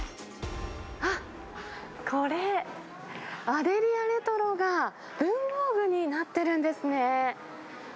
あっ、これ、アデリアレトロが文房具になってるんですね。